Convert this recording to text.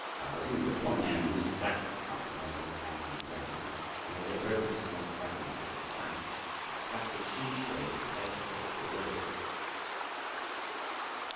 Pao yü upon hearing this, dashed the cup he held in his hand on the ground, and as it broke into small fragments, with a crash, it spattered Hsi Hsüeh's petticoat all over.